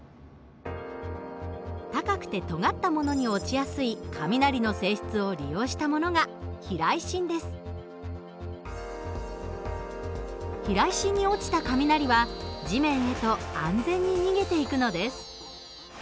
高くてとがったものに落ちやすい雷の性質を利用したものが避雷針に落ちた雷は地面へと安全に逃げていくのです。